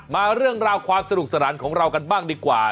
มาเรื่องราวความสนุกสนานของเรากันบ้างดีกว่า